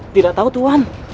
tidak tahu tuan